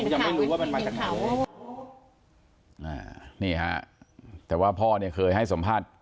ยังไม่รู้ว่ามันมาจากเขาอ่านี่ฮะแต่ว่าพ่อเนี่ยเคยให้สัมภาษณ์